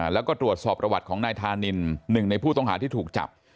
แล้วก็ตรวจสอบประวัติของนายธานินหนึ่งในผู้ต้องหาที่ถูกจับ